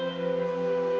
tuh yaudah mam